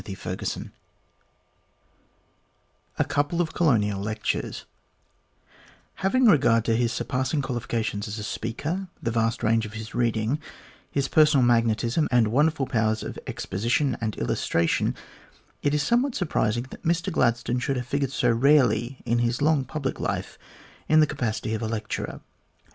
CHAPTEE XVIII A COUPLE OF COLONIAL LECTURES HAVING regard to his surpassing qualifications as a speaker, the vast range of his reading, his personal magnetism, and wonderful powers of exposition and illustration, it is some what surprising that Mr Gladstone should have figured so rarely, in his long public life, in the capacity of a lecturer.